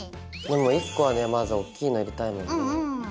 １個はねまずおっきいの入れたいもんね。